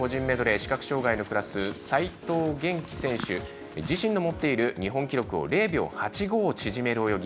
視覚障がいのクラス齋藤元希選手、自身の持っている日本記録を０秒８５縮める泳ぎ